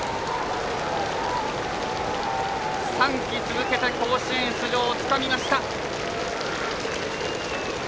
３季続けて甲子園出場をつかみました。